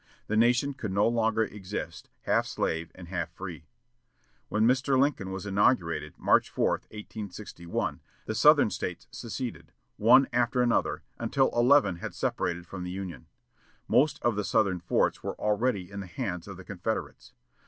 The nation could no longer exist "half slave and half free." When Mr. Lincoln was inaugurated, March 4, 1861, the Southern States seceded, one after another, until eleven had separated from the Union. Most of the Southern forts were already in the hands of the Confederates.